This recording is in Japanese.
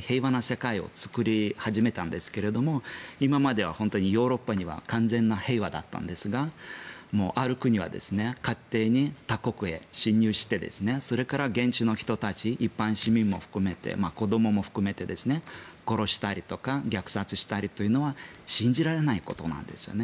平和な世界を作り始めたんですが今までは本当に、ヨーロッパは完全な平和だったんですがある国は勝手に他国へ侵入してそれから現地の人たち一般市民も含めて子どもも含めて殺したりとか虐殺したりとかというのは信じられないことなんですね。